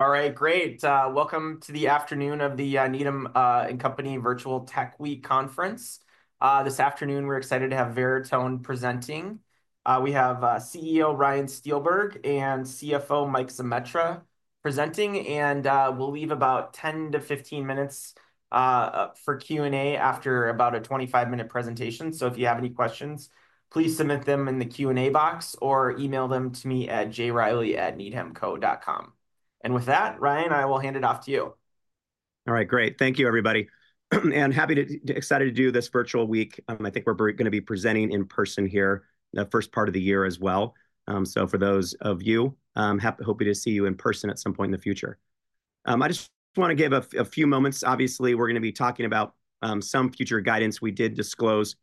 All right, great. Welcome to the afternoon of the Needham & Company Virtual Tech Week conference. This afternoon, we're excited to have Veritone presenting. We have CEO Ryan Steelberg and CFO Mike Zemetra presenting, and we'll leave about 10 to 15 minutes for Q&A after about a 25-minute presentation, so if you have any questions, please submit them in the Q&A box or email them to me at jreilly@needhamco.com, and with that, Ryan, I will hand it off to you. All right, great. Thank you, everybody. And happy to, excited to do this virtual week. I think we're going to be presenting in person here the first part of the year as well. So for those of you, hoping to see you in person at some point in the future. I just want to give a few moments. Obviously, we're going to be talking about some future guidance. We did disclose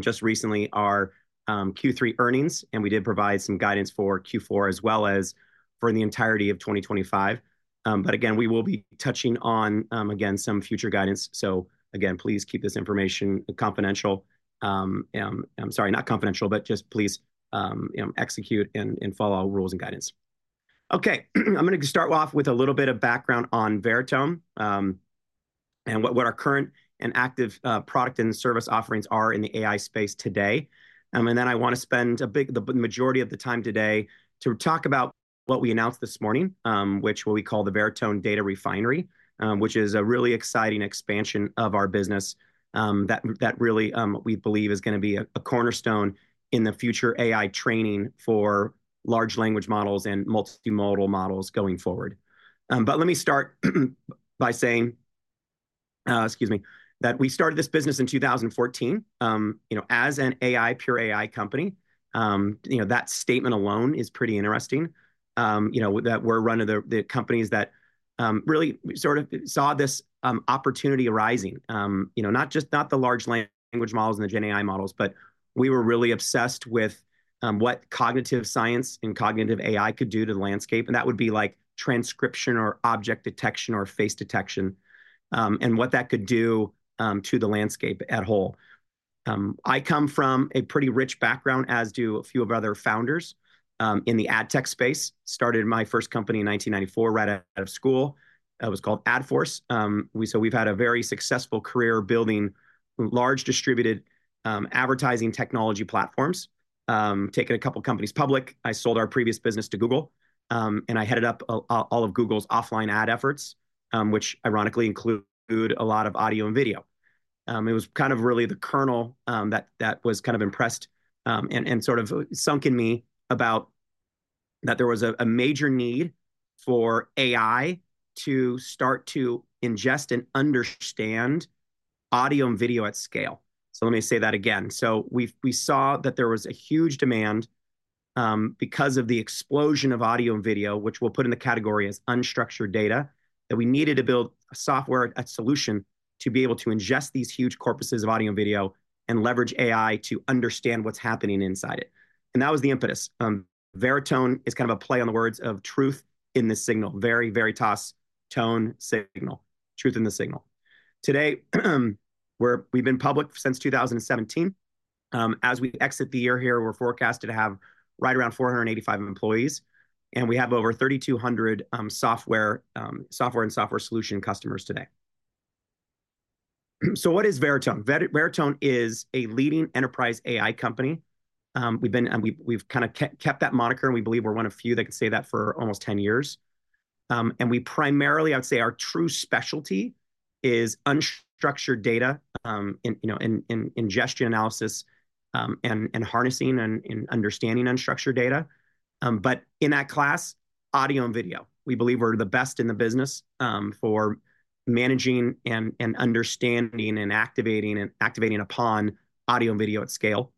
just recently our Q3 earnings, and we did provide some guidance for Q4 as well as for the entirety of 2025. But again, we will be touching on, again, some future guidance. So again, please keep this information confidential. I'm sorry, not confidential, but just please execute and follow all rules and guidance. Okay, I'm going to start off with a little bit of background on Veritone and what our current and active product and service offerings are in the AI space today. And then I want to spend the majority of the time today to talk about what we announced this morning, which we call the Veritone Data Refinery, which is a really exciting expansion of our business that really we believe is going to be a cornerstone in the future AI training for large language models and multimodal models going forward. But let me start by saying, excuse me, that we started this business in 2014 as an AI, pure AI company. That statement alone is pretty interesting, that we're running the companies that really sort of saw this opportunity arising, not just the large language models and the Gen AI models, but we were really obsessed with what cognitive science and cognitive AI could do to the landscape. That would be like transcription or object detection or face detection and what that could do to the landscape as a whole. I come from a pretty rich background, as do a few of the other founders in the ad tech space. I started my first company in 1994 right out of school. It was called AdForce. So we've had a very successful career building large distributed advertising technology platforms, taking a couple of companies public. I sold our previous business to Google, and I headed up all of Google's offline ad efforts, which ironically include a lot of audio and video. It was kind of really the kernel that was kind of impressed and sort of sunk in me about that there was a major need for AI to start to ingest and understand audio and video at scale. So let me say that again. So we saw that there was a huge demand because of the explosion of audio and video, which we'll put in the category as unstructured data, that we needed to build software, a solution to be able to ingest these huge corpuses of audio and video and leverage AI to understand what's happening inside it. And that was the impetus. Veritone is kind of a play on the words of truth in the signal, veritas tone signal, truth in the signal. Today, we've been public since 2017. As we exit the year here, we're forecasted to have right around 485 employees, and we have over 3,200 software and software solution customers today. So what is Veritone? Veritone is a leading enterprise AI company. We've kind of kept that moniker, and we believe we're one of few that can say that for almost 10 years. And we primarily, I would say our true specialty is unstructured data in ingestion analysis and harnessing and understanding unstructured data. But in that class, audio and video, we believe we're the best in the business for managing and understanding and activating and activating upon audio and video at scale.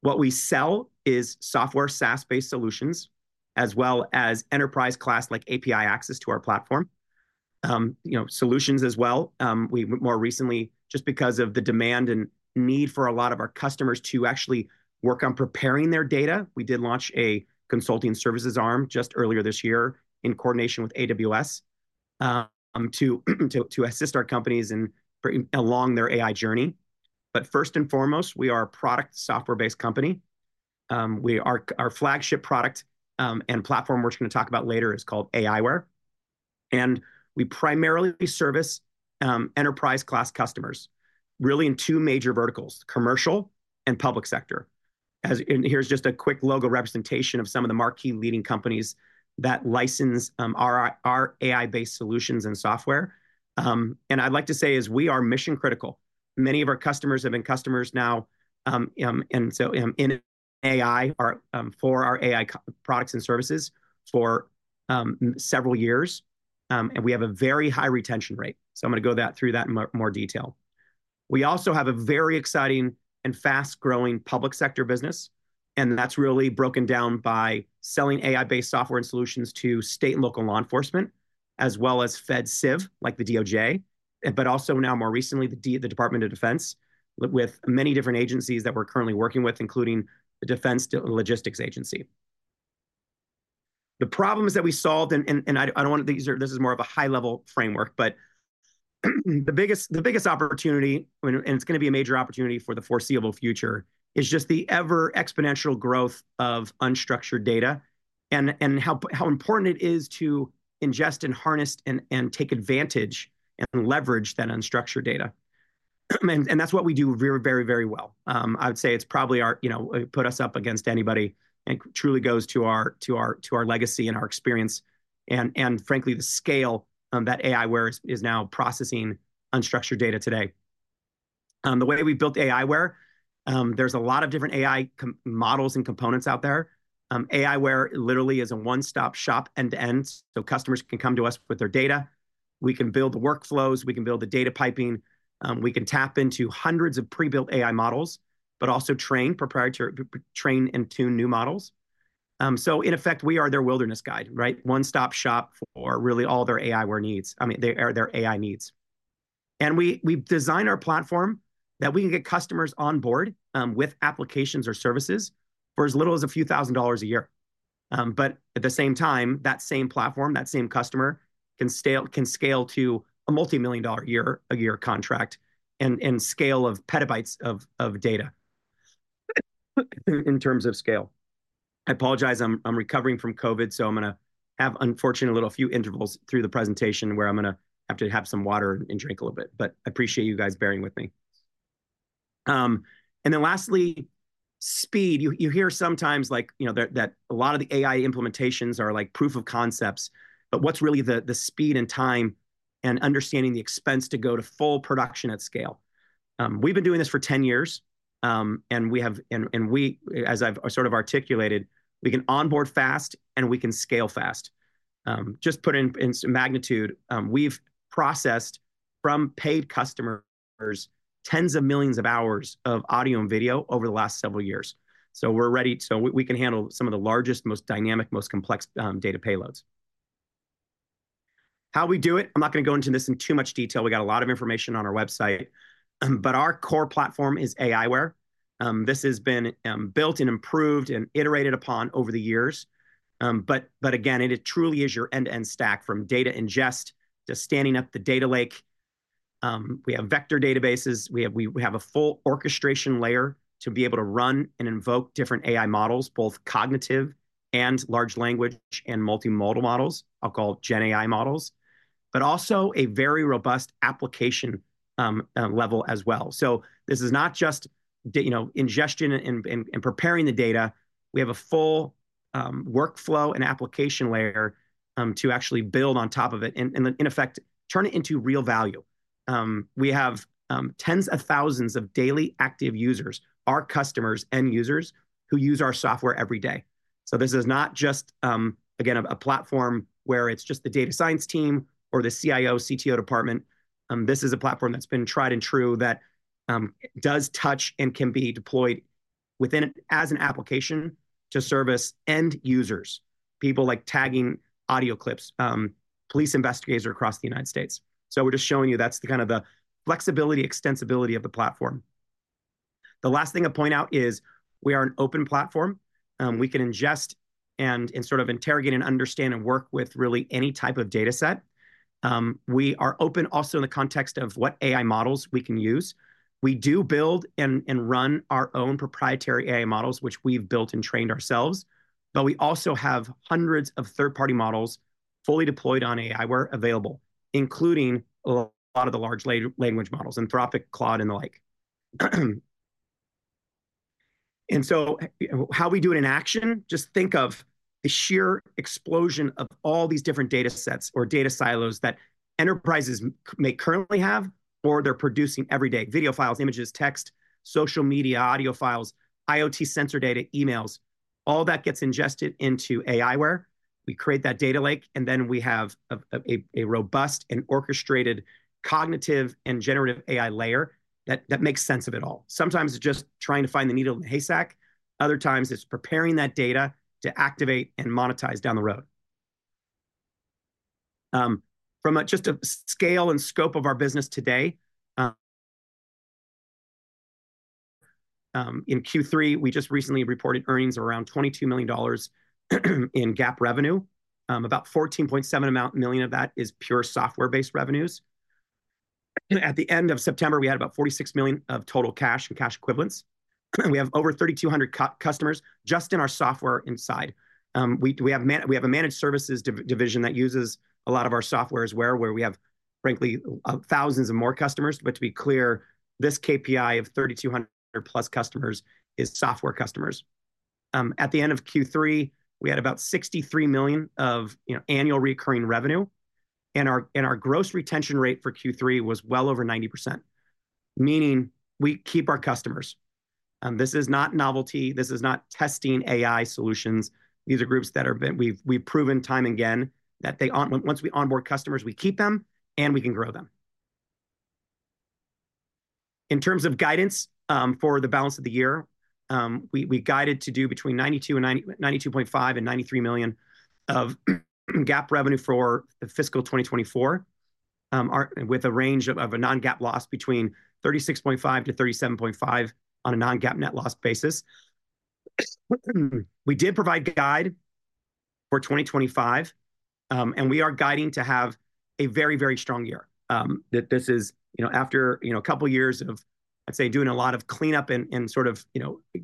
What we sell is software SaaS-based solutions as well as enterprise-class like API access to our platform solutions as well. More recently, just because of the demand and need for a lot of our customers to actually work on preparing their data, we did launch a consulting services arm just earlier this year in coordination with AWS to assist our companies along their AI journey. But first and foremost, we are a product software-based company. Our flagship product and platform we're just going to talk about later is called aiWARE. And we primarily service enterprise-class customers really in two major verticals, commercial and public sector. And here's just a quick logo representation of some of the marquee leading companies that license our AI-based solutions and software. And I'd like to say is we are mission-critical. Many of our customers have been customers now and so in AI for our AI products and services for several years, and we have a very high retention rate. So I'm going to go through that in more detail. We also have a very exciting and fast-growing public sector business, and that's really broken down by selling AI-based software and solutions to state and local law enforcement as well as FedCiv like the DOJ, but also now more recently the Department of Defense with many different agencies that we're currently working with, including the Defense Logistics Agency. The problems that we solved, and I don't want to, this is more of a high-level framework, but the biggest opportunity, and it's going to be a major opportunity for the foreseeable future, is just the ever-exponential growth of unstructured data and how important it is to ingest and harness and take advantage and leverage that unstructured data. And that's what we do very, very well. I would say it's probably put us up against anybody and truly goes to our legacy and our experience and frankly the scale that aiWARE is now processing unstructured data today. The way we built aiWARE, there's a lot of different AI models and components out there. aiWARE literally is a one-stop shop end-to-end so customers can come to us with their data. We can build the workflows. We can build the data piping. We can tap into hundreds of pre-built AI models, but also train and tune new models, so in effect, we are their wilderness guide, right? One-stop shop for really all their aiWARE needs, I mean, their AI needs and we design our platform that we can get customers on board with applications or services for as little as a few thousand dollars a year. But at the same time, that same platform, that same customer can scale to a multi-million dollar a year contract and scale of PB of data in terms of scale. I apologize. I'm recovering from COVID, so I'm going to have unfortunately a little few intervals through the presentation where I'm going to have to have some water and drink a little bit, but I appreciate you guys bearing with me. And then lastly, speed. You hear sometimes that a lot of the AI implementations are like proof of concepts, but what's really the speed and time and understanding the expense to go to full production at scale? We've been doing this for 10 years, and as I've sort of articulated, we can onboard fast and we can scale fast. Just put in some magnitude, we've processed from paid customers tens of millions of hours of audio and video over the last several years. So we can handle some of the largest, most dynamic, most complex data payloads. How we do it? I'm not going to go into this in too much detail. We got a lot of information on our website, but our core platform is aiWARE. This has been built and improved and iterated upon over the years. But again, it truly is your end-to-end stack from data ingest to standing up the data lake. We have vector databases. We have a full orchestration layer to be able to run and invoke different AI models, both cognitive and large language and multimodal models, I'll call Gen AI models, but also a very robust application level as well. So this is not just ingestion and preparing the data. We have a full workflow and application layer to actually build on top of it and in effect, turn it into real value. We have tens of thousands of daily active users, our customers and users who use our software every day. So this is not just, again, a platform where it's just the data science team or the CIO, CTO department. This is a platform that's been tried and true that does touch and can be deployed as an application to service end users, people like tagging audio clips, police investigators across the United States. So we're just showing you that's the kind of the flexibility, extensibility of the platform. The last thing to point out is we are an open platform. We can ingest and sort of interrogate and understand and work with really any type of data set. We are open also in the context of what AI models we can use. We do build and run our own proprietary AI models, which we've built and trained ourselves, but we also have hundreds of third-party models fully deployed on aiWARE available, including a lot of the large language models, Anthropic, Claude, and the like, and so how we do it in action, just think of the sheer explosion of all these different data sets or data silos that enterprises may currently have or they're producing every day: video files, images, text, social media, audio files, IoT sensor data, emails. All that gets ingested into aiWARE. We create that data lake, and then we have a robust and orchestrated cognitive and generative AI layer that makes sense of it all. Sometimes it's just trying to find the needle in the haystack. Other times it's preparing that data to activate and monetize down the road. From just a scale and scope of our business today, in Q3, we just recently reported earnings of around $22 million in GAAP revenue. About $14.7 million of that is pure software-based revenues. At the end of September, we had about $46 million of total cash and cash equivalents. We have over 3,200 customers just in our software inside. We have a managed services division that uses a lot of our software as well, where we have frankly thousands of more customers. But to be clear, this KPI of 3,200 plus customers is software customers. At the end of Q3, we had about $63 million of annual recurring revenue, and our gross retention rate for Q3 was well over 90%, meaning we keep our customers. This is not novelty. This is not testing AI solutions. These are groups that we've proven time and again that once we onboard customers, we keep them and we can grow them. In terms of guidance for the balance of the year, we guided to do between $92 million and $92.5 million and $93 million of GAAP revenue for the fiscal 2024 with a range of a non-GAAP loss between $36.5-$37.5 on a non-GAAP net loss basis. We did provide guide for 2025, and we are guiding to have a very, very strong year. This is after a couple of years of, I'd say, doing a lot of cleanup and sort of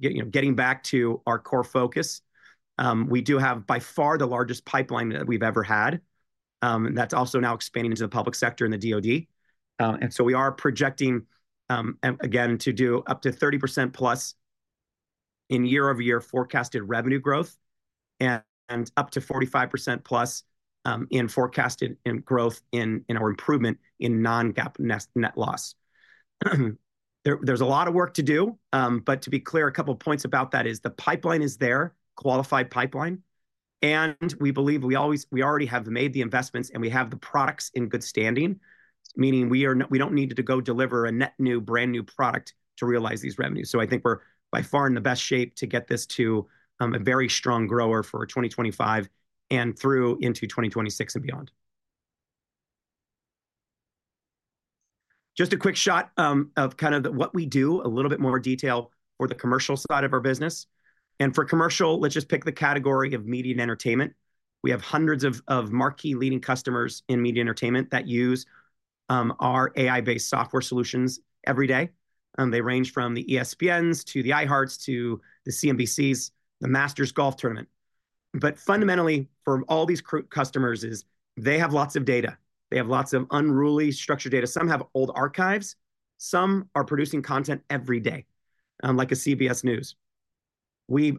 getting back to our core focus. We do have by far the largest pipeline that we've ever had. That's also now expanding into the public sector and the DOD. And so we are projecting, again, to do up to 30%+ in year-over-year forecasted revenue growth and up to 45%+ in forecasted growth in our improvement in non-GAAP net loss. There's a lot of work to do, but to be clear, a couple of points about that is the pipeline is there, qualified pipeline. And we believe we already have made the investments and we have the products in good standing, meaning we don't need to go deliver a net new, brand new product to realize these revenues. So I think we're by far in the best shape to get this to a very strong grower for 2025 and through into 2026 and beyond. Just a quick shot of kind of what we do, a little bit more detail for the commercial side of our business. And for commercial, let's just pick the category of media and entertainment. We have hundreds of marquee leading customers in media and entertainment that use our AI-based software solutions every day. They range from the ESPNs to the iHearts to the CNBCs, the Masters Golf Tournament. But fundamentally, for all these customers, they have lots of data. They have lots of unstructured data. Some have old archives. Some are producing content every day, like a CBS News. We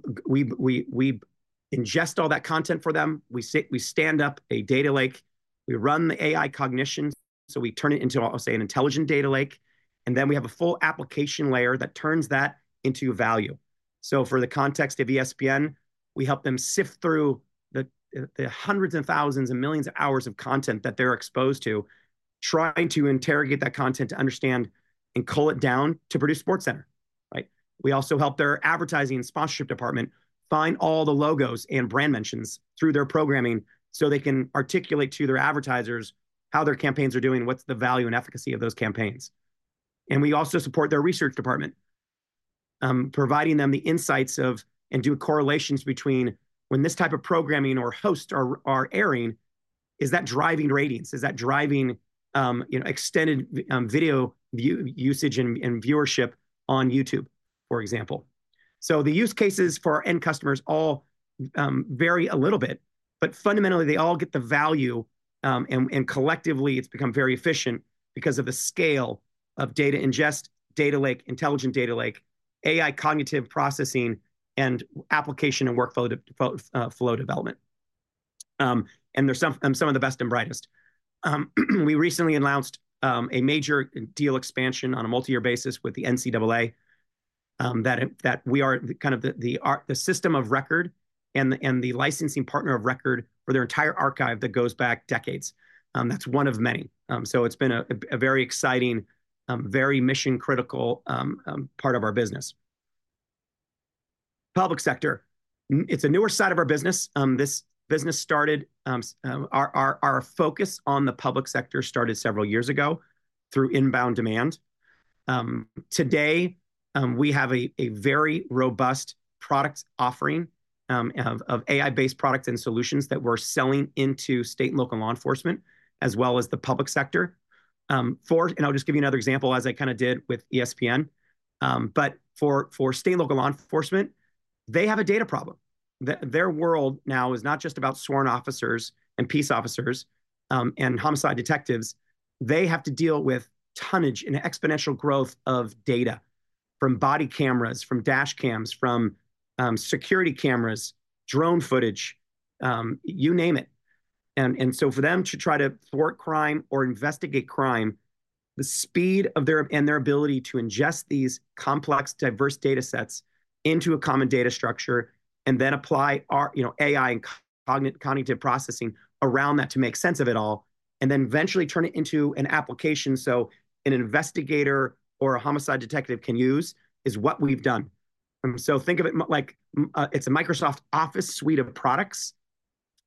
ingest all that content for them. We stand up a data lake. We run the AI cognition. So we turn it into, I'll say, an intelligent data lake. And then we have a full application layer that turns that into value. So for the context of ESPN, we help them sift through the hundreds and thousands and millions of hours of content that they're exposed to, trying to interrogate that content to understand and cull it down to produce SportsCenter, right? We also help their advertising and sponsorship department find all the logos and brand mentions through their programming so they can articulate to their advertisers how their campaigns are doing, what's the value and efficacy of those campaigns. And we also support their research department, providing them the insights of and do correlations between when this type of programming or hosts are airing, is that driving ratings? Is that driving extended video usage and viewership on YouTube, for example? So the use cases for our end customers all vary a little bit, but fundamentally, they all get the value. And collectively, it's become very efficient because of the scale of data ingest, data lake, intelligent data lake, AI cognitive processing, and application and workflow development. And they're some of the best and brightest. We recently announced a major deal expansion on a multi-year basis with the NCAA that we are kind of the system of record and the licensing partner of record for their entire archive that goes back decades. That's one of many. So it's been a very exciting, very mission-critical part of our business. Public sector. It's a newer side of our business. This business, our focus on the public sector, started several years ago through inbound demand. Today, we have a very robust product offering of AI-based products and solutions that we're selling into state and local law enforcement as well as the public sector. And I'll just give you another example as I kind of did with ESPN. But for state and local law enforcement, they have a data problem. Their world now is not just about sworn officers and peace officers and homicide detectives. They have to deal with tonnage and exponential growth of data from body cameras, from dash cams, from security cameras, drone footage, you name it. And so for them to try to thwart crime or investigate crime, the speed of their ability to ingest these complex, diverse data sets into a common data structure and then apply AI and cognitive processing around that to make sense of it all and then eventually turn it into an application so an investigator or a homicide detective can use is what we've done. So think of it like it's a Microsoft Office suite of products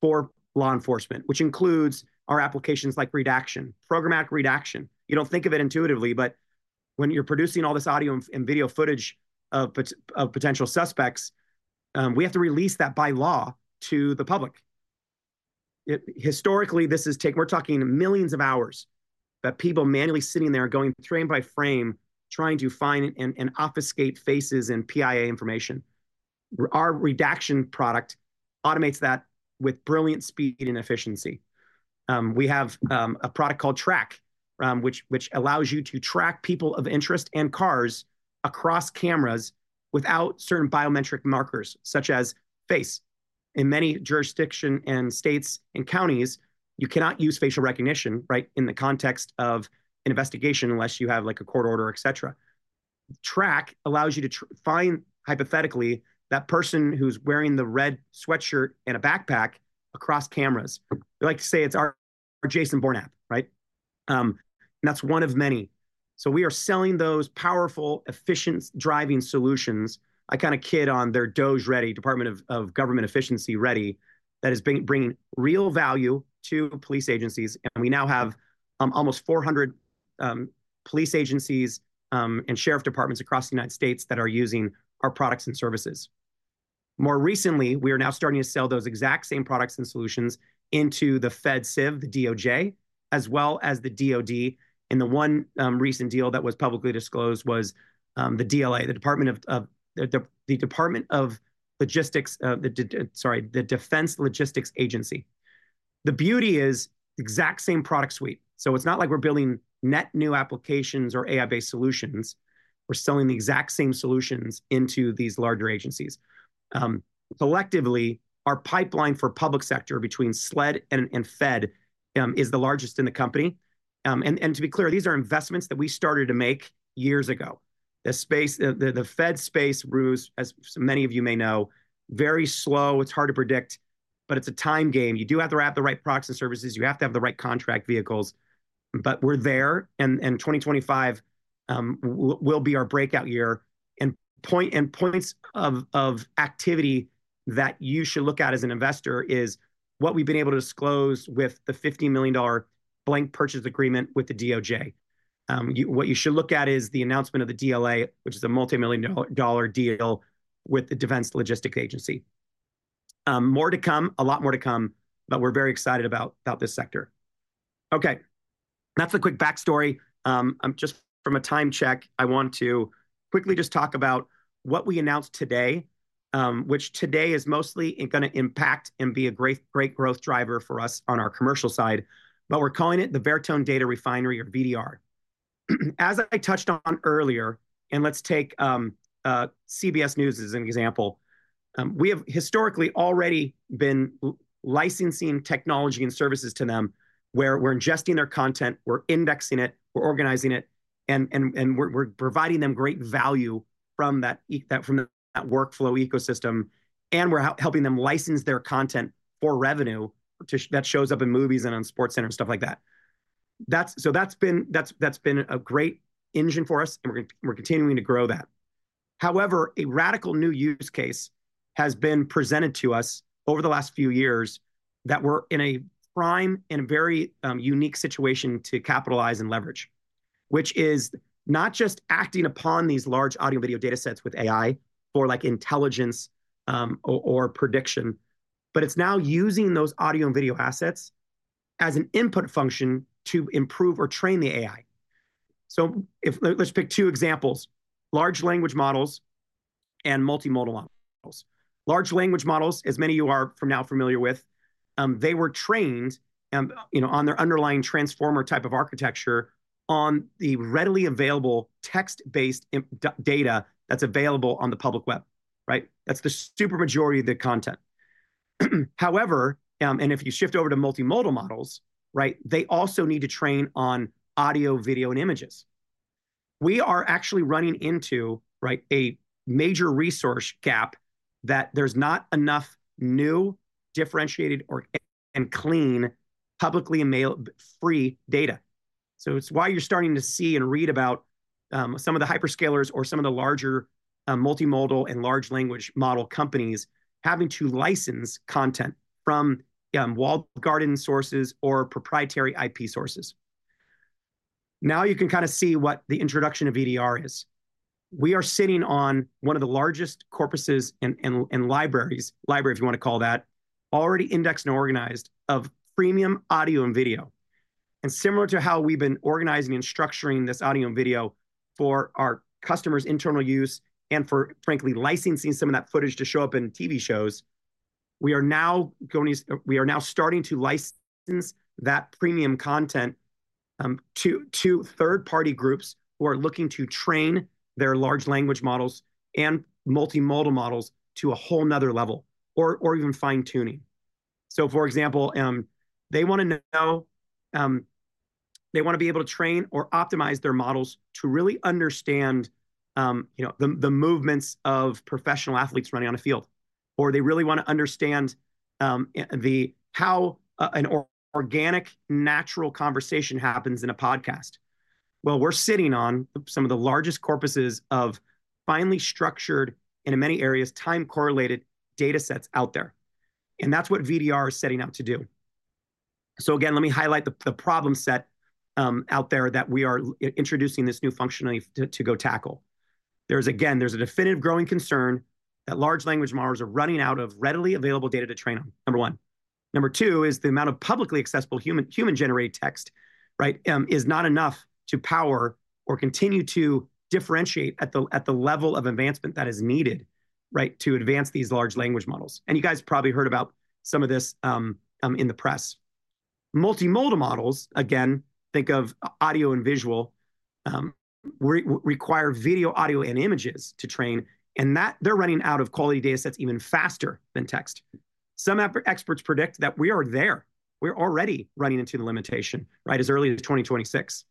for law enforcement, which includes our applications like redaction, programmatic redaction. You don't think of it intuitively, but when you're producing all this audio and video footage of potential suspects, we have to release that by law to the public. Historically, we're talking millions of hours that people manually sitting there going frame by frame trying to find and obfuscate faces and PII information. Our redaction product automates that with brilliant speed and efficiency. We have a product called Track, which allows you to track people of interest and cars across cameras without certain biometric markers such as face. In many jurisdictions and states and counties, you cannot use facial recognition right in the context of investigation unless you have a court order, etc. Track allows you to find hypothetically that person who's wearing the red sweatshirt and a backpack across cameras. We like to say it's our Jason Bourne, right? And that's one of many. So we are selling those powerful, efficient driving solutions. I kind of kid. They're DOGE ready, Department of Government Efficiency ready that is bringing real value to police agencies. We now have almost 400 police agencies and sheriff departments across the United States that are using our products and services. More recently, we are now starting to sell those exact same products and solutions into the FedCiv, the DOJ, as well as the DOD. The one recent deal that was publicly disclosed was the DLA, the Department of Logistics, sorry, the Defense Logistics Agency. The beauty is the exact same product suite. So it's not like we're building net new applications or AI-based solutions. We're selling the exact same solutions into these larger agencies. Collectively, our pipeline for public sector between SLED and Fed is the largest in the company. To be clear, these are investments that we started to make years ago. The Fed Space grows, as many of you may know, very slow. It's hard to predict, but it's a long game. You do have to wrap the right products and services. You have to have the right contract vehicles. But we're there, and 2025 will be our breakout year. And points of activity that you should look at as an investor is what we've been able to disclose with the $50 million blanket purchase agreement with the DOJ. What you should look at is the announcement of the DLA, which is a multi-million-dollar deal with the Defense Logistics Agency. More to come, a lot more to come, but we're very excited about this sector. Okay. That's the quick backstory. Just from a time check, I want to quickly just talk about what we announced today, which today is mostly going to impact and be a great growth driver for us on our commercial side. But we're calling it the Veritone Data Refinery or VDR. As I touched on earlier, and let's take CBS News as an example. We have historically already been licensing technology and services to them where we're ingesting their content, we're indexing it, we're organizing it, and we're providing them great value from that workflow ecosystem. And we're helping them license their content for revenue that shows up in movies and on SportsCenter and stuff like that. So that's been a great engine for us, and we're continuing to grow that. However, a radical new use case has been presented to us over the last few years that we're in a prime and a very unique situation to capitalize and leverage, which is not just acting upon these large audio video data sets with AI for intelligence or prediction, but it's now using those audio and video assets as an input function to improve or train the AI. So let's pick two examples: large language models and multimodal models. Large language models, as many of you are now familiar with, they were trained on their underlying transformer type of architecture on the readily available text-based data that's available on the public web, right? That's the super majority of the content. However, and if you shift over to multimodal models, right, they also need to train on audio, video, and images. We are actually running into a major resource gap that there's not enough new, differentiated, and clean publicly available free data. So it's why you're starting to see and read about some of the hyperscalers or some of the larger multimodal and large language model companies having to license content from walled garden sources or proprietary IP sources. Now you can kind of see what the introduction of VDR is. We are sitting on one of the largest corpuses and libraries, library if you want to call that, already indexed and organized of premium audio and video. And similar to how we've been organizing and structuring this audio and video for our customers' internal use and for, frankly, licensing some of that footage to show up in TV shows, we are now starting to license that premium content to third-party groups who are looking to train their large language models and multimodal models to a whole another level or even fine-tuning. So, for example, they want to know, they want to be able to train or optimize their models to really understand the movements of professional athletes running on a field, or they really want to understand how an organic, natural conversation happens in a podcast. We're sitting on some of the largest corpuses of finely structured and, in many areas, time-correlated data sets out there. That's what VDR is setting out to do. Again, let me highlight the problem set out there that we are introducing this new functionality to go tackle. Again, there's a definitive growing concern that large language models are running out of readily available data to train on, number one. Number two is the amount of publicly accessible human-generated text, right, is not enough to power or continue to differentiate at the level of advancement that is needed, right, to advance these large language models. You guys probably heard about some of this in the press. Multimodal models, again, think of audio and visual, require video, audio, and images to train, and they're running out of quality data sets even faster than text. Some experts predict that we are there. We're already running into the limitation, right, as early as 2026.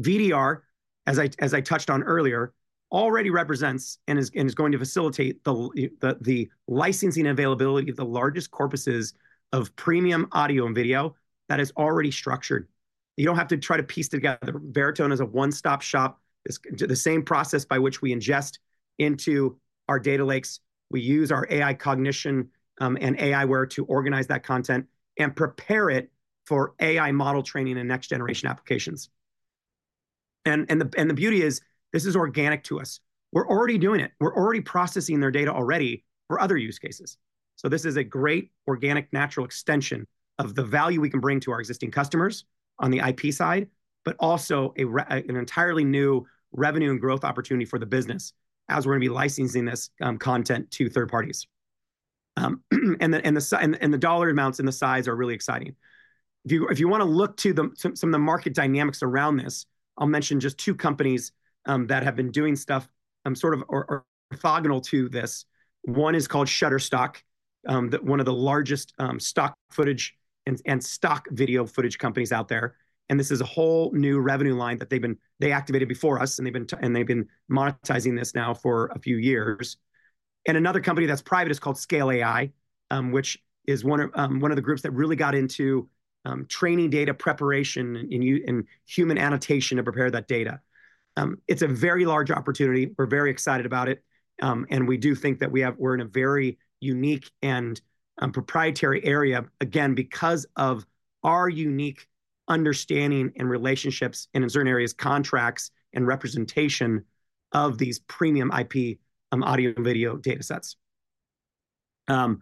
VDR, as I touched on earlier, already represents and is going to facilitate the licensing availability of the largest corpuses of premium audio and video that is already structured. You don't have to try to piece together. Veritone is a one-stop shop. It's the same process by which we ingest into our data lakes. We use our AI cognition and aiWARE to organize that content and prepare it for AI model training and next-generation applications, and the beauty is this is organic to us. We're already doing it. We're already processing their data already for other use cases. So this is a great organic, natural extension of the value we can bring to our existing customers on the IP side, but also an entirely new revenue and growth opportunity for the business as we're going to be licensing this content to third parties. And the dollar amounts and the size are really exciting. If you want to look to some of the market dynamics around this, I'll mention just two companies that have been doing stuff sort of [inaudible] to this. One is called Shutterstock, one of the largest stock footage and stock video footage companies out there. And this is a whole new revenue line that they activated before us, and they've been monetizing this now for a few years. And another company that's private is called Scale AI, which is one of the groups that really got into training data preparation and human annotation to prepare that data. It's a very large opportunity. We're very excited about it. And we do think that we're in a very unique and proprietary area, again, because of our unique understanding and relationships and, in certain areas, contracts and representation of these premium IP audio and video data sets. I'm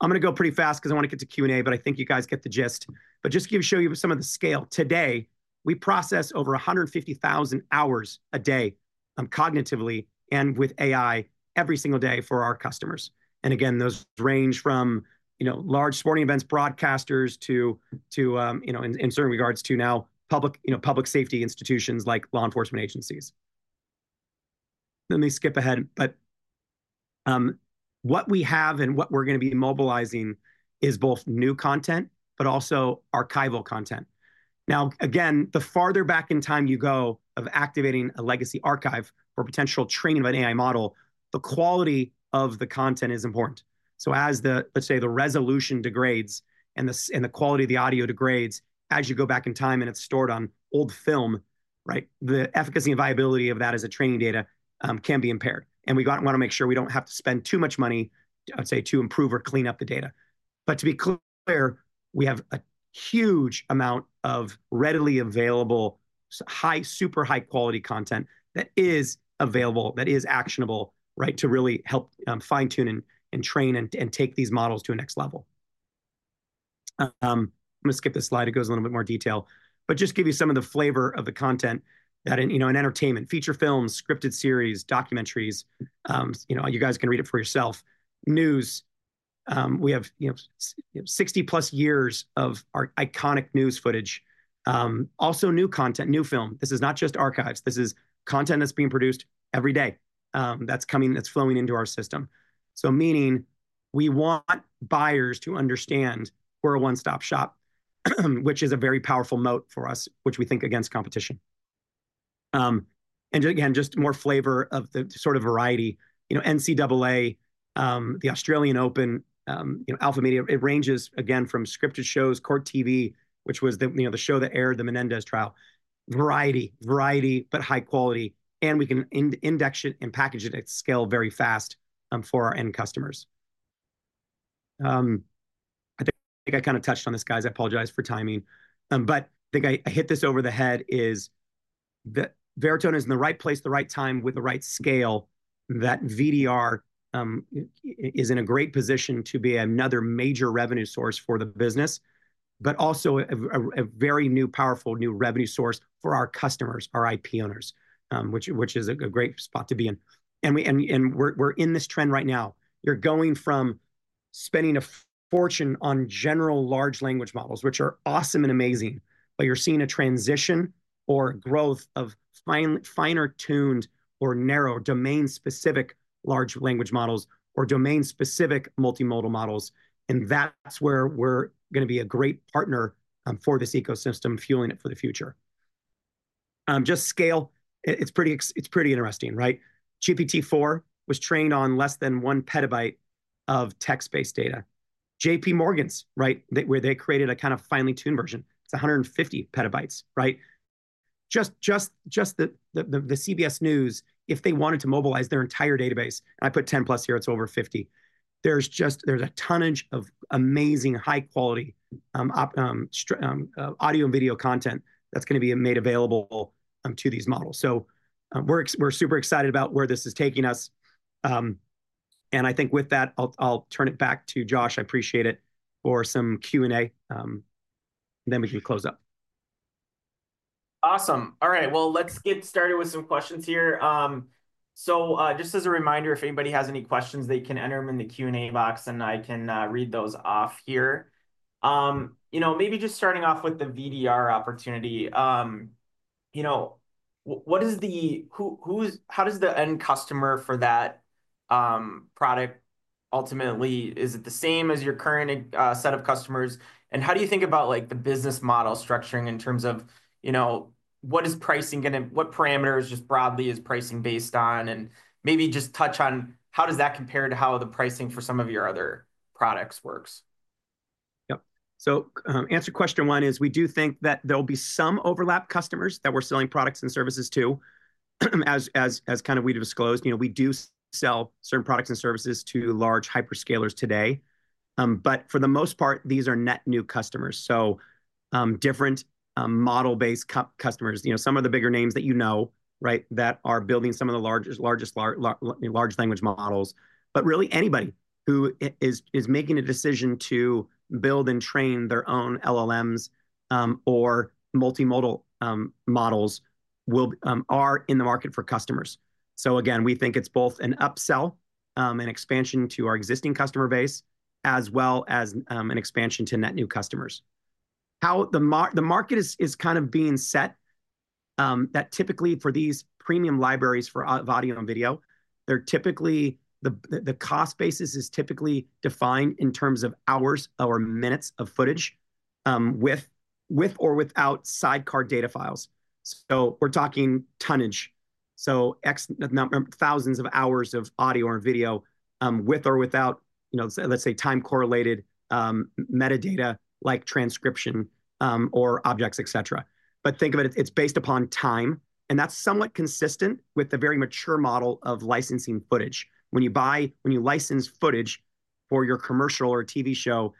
going to go pretty fast because I want to get to Q&A, but I think you guys get the gist. But just to show you some of the scale, today, we process over 150,000 hours a day cognitively and with AI every single day for our customers. And again, those range from large sporting events broadcasters to, in certain regards, to now public safety institutions like law enforcement agencies. Let me skip ahead. But what we have and what we're going to be mobilizing is both new content, but also archival content. Now, again, the farther back in time you go of activating a legacy archive for potential training of an AI model, the quality of the content is important. So as, let's say, the resolution degrades and the quality of the audio degrades, as you go back in time and it's stored on old film, right, the efficacy and viability of that as a training data can be impaired. And we want to make sure we don't have to spend too much money, I'd say, to improve or clean up the data. But to be clear, we have a huge amount of readily available high, super high-quality content that is available, that is actionable, right, to really help fine-tune and train and take these models to a next level. I'm going to skip this slide. It goes a little bit more detail. But just give you some of the flavor of the content that in entertainment, feature films, scripted series, documentaries, you guys can read it for yourself. News, we have 60+ years of our iconic news footage. Also, new content, new film. This is not just archives. This is content that's being produced every day that's flowing into our system. So meaning we want buyers to understand we're a one-stop shop, which is a very powerful moat for us, which we think against competition. And again, just more flavor of the sort of variety. NCAA, the Australian Open, Alpha Media, it ranges, again, from scripted shows, Court TV, which was the show that aired the Menendez trial. Variety, variety, but high quality. And we can index it and package it at scale very fast for our end customers. I think I kind of touched on this, guys. I apologize for timing. But I think I hit this over the head, is that Veritone is in the right place, the right time with the right scale that VDR is in a great position to be another major revenue source for the business, but also a very new, powerful new revenue source for our customers, our IP owners, which is a great spot to be in. And we're in this trend right now. You're going from spending a fortune on general large language models, which are awesome and amazing, but you're seeing a transition or growth of finer-tuned or narrow domain-specific large language models or domain-specific multimodal models. And that's where we're going to be a great partner for this ecosystem, fueling it for the future. Just scale, it's pretty interesting, right? GPT-4 was trained on less than 1 PB of text-based data. JPMorgan's, right, where they created a kind of finely-tuned version, it's 150 PB, right? Just the CBS News, if they wanted to mobilize their entire database, and I put 10+ here, it's over 50. There's a tonnage of amazing high-quality audio and video content that's going to be made available to these models. So we're super excited about where this is taking us. And I think with that, I'll turn it back to Josh. I appreciate it for some Q&A, and then we can close up. Awesome. All right. Well, let's get started with some questions here. So just as a reminder, if anybody has any questions, they can enter them in the Q&A box, and I can read those off here. Maybe just starting off with the VDR opportunity, what is the how does the end customer for that product ultimately, is it the same as your current set of customers? And how do you think about the business model structuring in terms of what is pricing going to what parameters just broadly is pricing based on? And maybe just touch on how does that compare to how the pricing for some of your other products works. Yep. So answer question one is we do think that there will be some overlap customers that we're selling products and services to. As kind of we disclosed, we do sell certain products and services to large hyperscalers today. But for the most part, these are net new customers. So different model-based customers, some of the bigger names that you know, right, that are building some of the largest large language models. But really, anybody who is making a decision to build and train their own LLMs or multimodal models are in the market for customers. So again, we think it's both an upsell and expansion to our existing customer base as well as an expansion to net new customers. How the market is kind of being set that typically for these premium libraries for audio and video, the cost basis is typically defined in terms of hours or minutes of footage with or without sidecar data files. So we're talking tonnage. So thousands of hours of audio or video with or without, let's say, time-correlated metadata like transcription or objects, et cetera. But think of it, it's based upon time. And that's somewhat consistent with the very mature model of licensing footage. When you license footage for your commercial or TV show,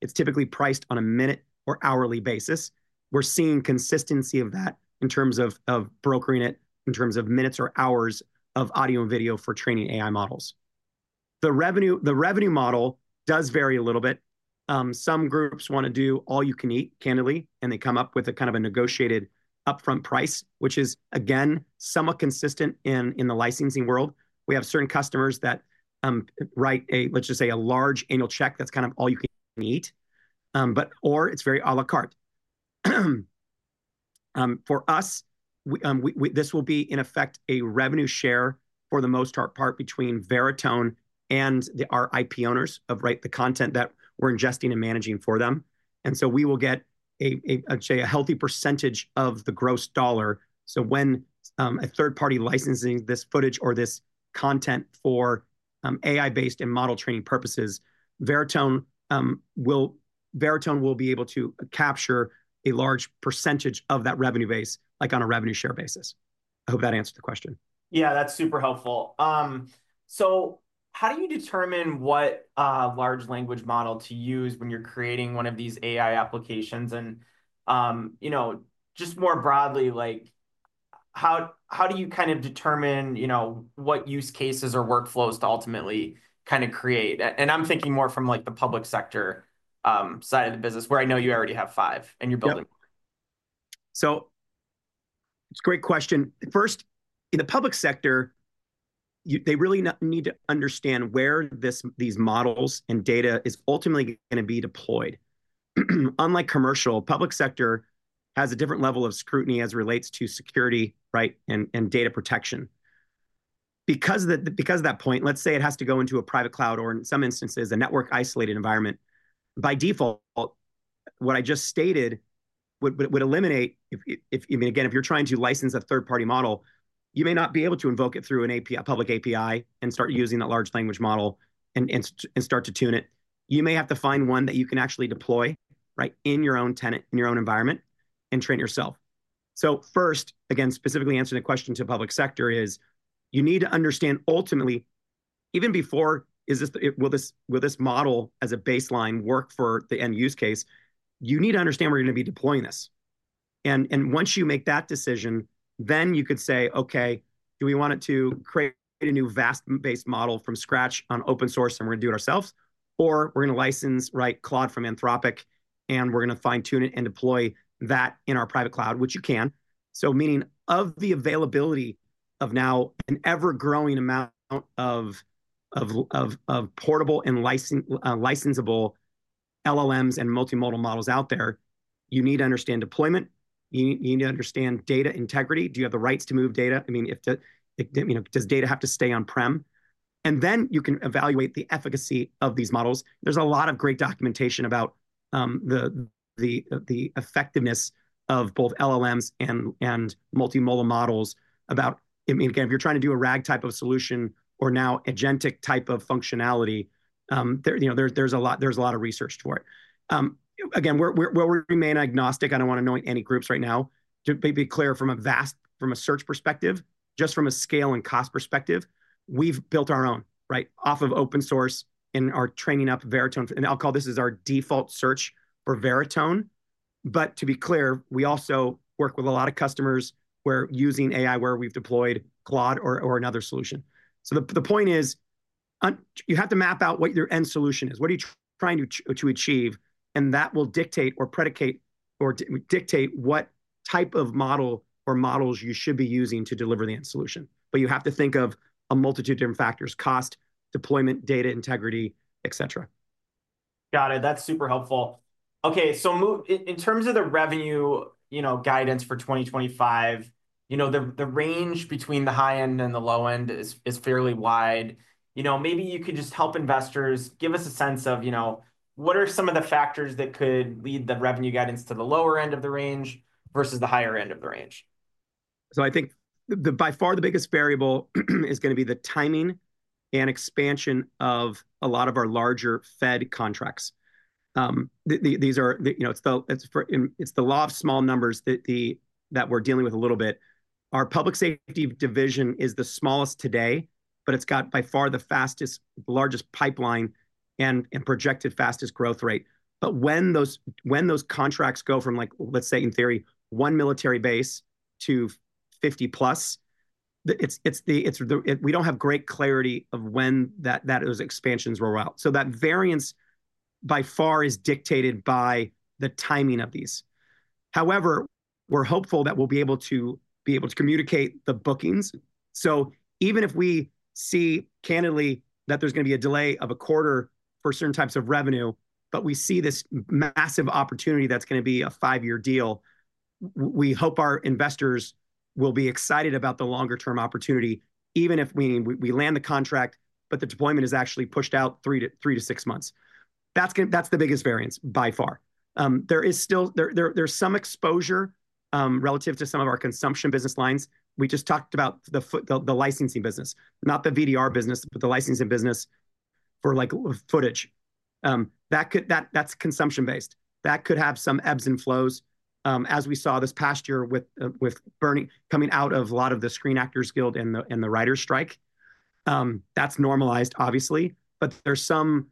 it's typically priced on a minute or hourly basis. We're seeing consistency of that in terms of brokering it in terms of minutes or hours of audio and video for training AI models. The revenue model does vary a little bit. Some groups want to do all you can eat,[cannery], and they come up with a kind of a negotiated upfront price, which is, again, somewhat consistent in the licensing world. We have certain customers that write, let's just say, a large annual check that's kind of all you can eat, or it's very à la carte. For us, this will be, in effect, a revenue share for the most part between Veritone and our IP owners of the content that we're ingesting and managing for them, and so we will get, I'd say, a healthy percentage of the gross dollar, so when a third party licensing this footage or this content for AI-based and model training purposes, Veritone will be able to capture a large percentage of that revenue basis on a revenue share basis. I hope that answered the question. Yeah, that's super helpful. So how do you determine what large language model to use when you're creating one of these AI applications? And just more broadly, how do you kind of determine what use cases or workflows to ultimately kind of create? And I'm thinking more from the public sector side of the business, where I know you already have five and you're building more. So it's a great question. First, in the public sector, they really need to understand where these models and data is ultimately going to be deployed. Unlike commercial, public sector has a different level of scrutiny as it relates to security, right, and data protection. Because of that point, let's say it has to go into a private cloud or, in some instances, a network-isolated environment, by default, what I just stated would eliminate, again, if you're trying to license a third-party model, you may not be able to invoke it through a public API and start using that large language model and start to tune it. You may have to find one that you can actually deploy in your own tenant, in your own environment, and train it yourself. So first, again, specifically answering the question to public sector: you need to understand ultimately even before will this model as a baseline work for the end use case? You need to understand where you're going to be deploying this. And once you make that decision, then you could say, "Okay, do we want it to create a new vast-based model from scratch on open source and we're going to do it ourselves? Or we're going to license Claude from Anthropic and we're going to fine-tune it and deploy that in our private cloud," which you can. So, meaning of the availability now of an ever-growing amount of portable and licensable LLMs and multimodal models out there, you need to understand deployment. You need to understand data integrity. Do you have the rights to move data? I mean, does data have to stay on-prem? And then you can evaluate the efficacy of these models. There's a lot of great documentation about the effectiveness of both LLMs and multimodal models about, again, if you're trying to do a RAG type of solution or now agentic type of functionality, there's a lot of research for it. Again, we'll remain agnostic. I don't want to name any groups right now. To be clear, from a search perspective, just from a scale and cost perspective, we've built our own, right, off of open source in our training up Veritone. And I'll call this our default search for Veritone. But to be clear, we also work with a lot of customers where using AI where we've deployed Claude or another solution. So the point is you have to map out what your end solution is. What are you trying to achieve? That will dictate or predicate what type of model or models you should be using to deliver the end solution. You have to think of a multitude of different factors: cost, deployment, data integrity, et cetera. Got it. That's super helpful. Okay. So in terms of the revenue guidance for 2025, the range between the high end and the low end is fairly wide. Maybe you could just help investors, give us a sense of what are some of the factors that could lead the revenue guidance to the lower end of the range versus the higher end of the range? So I think by far the biggest variable is going to be the timing and expansion of a lot of our larger Fed contracts. It's the law of small numbers that we're dealing with a little bit. Our public safety division is the smallest today, but it's got by far the fastest, largest pipeline and projected fastest growth rate. But when those contracts go from, let's say, in theory, one military base to 50+, we don't have great clarity of when those expansions roll out. So that variance by far is dictated by the timing of these. However, we're hopeful that we'll be able to communicate the bookings. So even if we see, candidly, that there's going to be a delay of a quarter for certain types of revenue, but we see this massive opportunity that's going to be a five-year deal. We hope our investors will be excited about the longer-term opportunity, even if we land the contract, but the deployment is actually pushed out three to six months. That's the biggest variance by far. There is some exposure relative to some of our consumption business lines. We just talked about the licensing business, not the VDR business, but the licensing business for footage. That's consumption-based. That could have some ebbs and flows. As we saw this past year with Bernie coming out of a lot of the Screen Actors Guild and the writers' strike, that's normalized, obviously, but there's some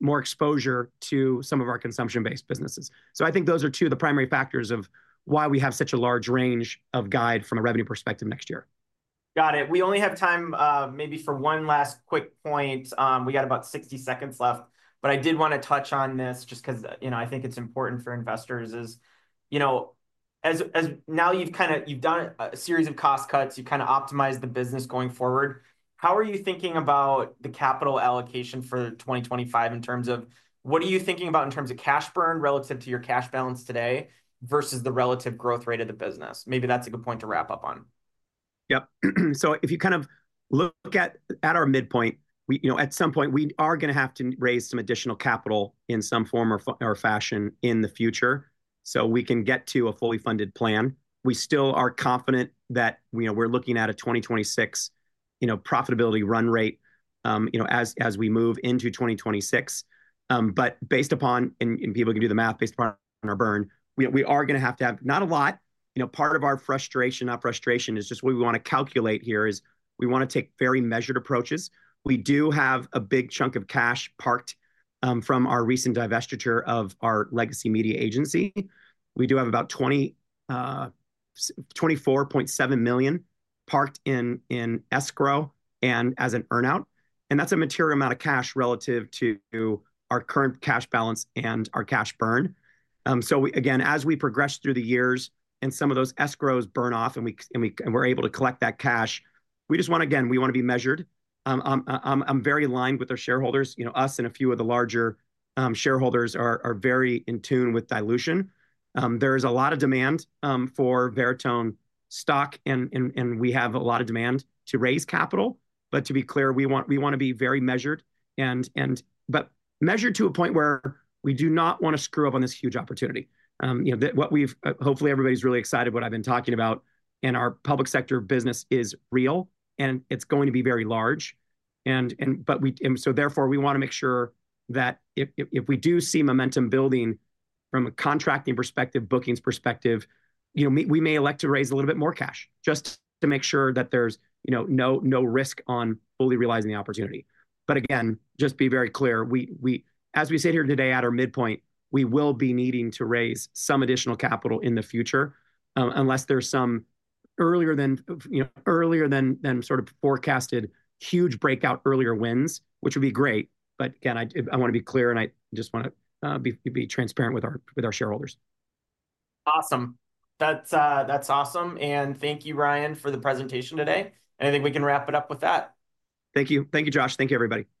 more exposure to some of our consumption-based businesses. So I think those are two of the primary factors of why we have such a large range of guide from a revenue perspective next year. Got it. We only have time maybe for one last quick point. We got about 60 seconds left. But I did want to touch on this just because I think it's important for investors. Is now you've done a series of cost cuts, you've kind of optimized the business going forward. How are you thinking about the capital allocation for 2025 in terms of what are you thinking about in terms of cash burn relative to your cash balance today versus the relative growth rate of the business? Maybe that's a good point to wrap up on. Yep. So if you kind of look at our midpoint, at some point, we are going to have to raise some additional capital in some form or fashion in the future so we can get to a fully funded plan. We still are confident that we're looking at a 2026 profitability run rate as we move into 2026. But based upon, and people can do the math based upon our burn, we are going to have to have not a lot. Part of our frustration, not frustration, is just what we want to calculate here is we want to take very measured approaches. We do have a big chunk of cash parked from our recent divestiture of our legacy media agency. We do have about $24.7 million parked in escrow and as an earn-out. That's a material amount of cash relative to our current cash balance and our cash burn. So again, as we progress through the years and some of those escrows burn off and we're able to collect that cash, we just want, again, we want to be measured. I'm very aligned with our shareholders. Us and a few of the larger shareholders are very in tune with dilution. There is a lot of demand for Veritone stock, and we have a lot of demand to raise capital. But to be clear, we want to be very measured, but measured to a point where we do not want to screw up on this huge opportunity. Hopefully, everybody's really excited what I've been talking about, and our public sector business is real, and it's going to be very large. And so therefore, we want to make sure that if we do see momentum building from a contracting perspective, bookings perspective, we may elect to raise a little bit more cash just to make sure that there's no risk on fully realizing the opportunity. But again, just be very clear, as we sit here today at our midpoint, we will be needing to raise some additional capital in the future unless there's some earlier than sort of forecasted huge breakout earlier wins, which would be great. But again, I want to be clear, and I just want to be transparent with our shareholders. Awesome. That's awesome. And thank you, Ryan, for the presentation today. And I think we can wrap it up with that. Thank you. Thank you, Josh. Thank you, everybody. Bye.